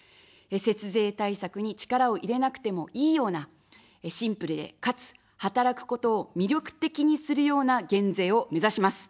節税対策に力を入れなくてもいいような、シンプルでかつ、働くことを魅力的にするような減税を目指します。